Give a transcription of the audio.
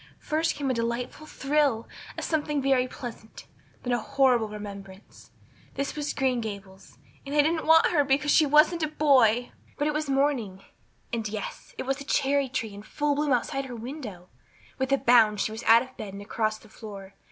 First came a delightful thrill, as something very pleasant; then a horrible remembrance. This was Green Gables and they didn't want her because she wasn't a boy! But it was morning and, yes, it was a cherry tree in full bloom outside of her window. With a bound she was out of bed and across the floor.